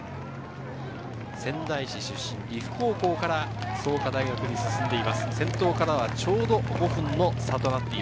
仙台市出身、利府高校から創価大学に進んでいます。